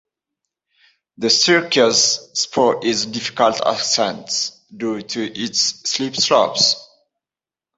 The Staircase Spur is a difficult ascent due to its steep slopes.